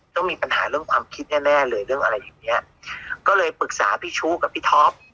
ต้องมีปัญหาเรื่องความคิดแน่แน่เลยเรื่องอะไรอย่างเงี้ยก็เลยปรึกษาพี่ชู้กับพี่ท็อป